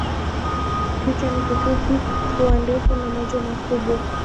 Kichwa ni kifupi, pua ndefu na macho makubwa.